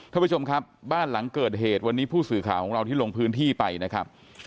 ท่านผู้ชมครับบ้านหลังเกิดเหตุวันนี้ผู้สื่อข่าวของเราที่ลงพื้นที่ไปนะครับ